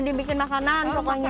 dibikin makanan pokoknya